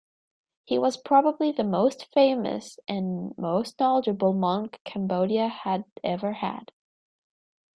He was probably the most famous and most knowledgeable monk Cambodia had ever had.